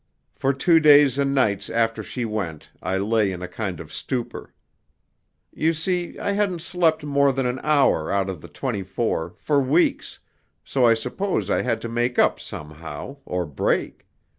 For two days and nights after she went, I lay in a kind of stupor. You see, I hadn't slept more than an hour out of the twenty four, for weeks, so I suppose I had to make up somehow, or break.